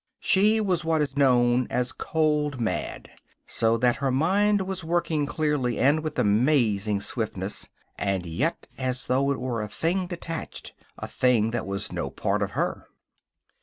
She was what is known as cold mad, so that her mind was working clearly and with amazing swiftness, and yet as though it were a thing detached; a thing that was no part of her.